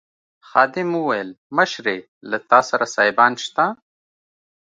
خادم وویل مشرې له تاسي سره سایبان شته.